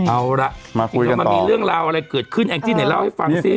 เอาล่ะมันมีเรื่องราวอะไรเกิดขึ้นมาคุยกันต่ออังกฤษหน่อยเล่าให้ฟังสิ